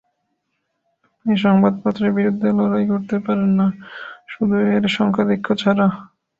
আপনি সংবাদপত্রের বিরুদ্ধে লড়াই করতে পারেন না, শুধু এর সংখ্যাধিক্য ছাড়া।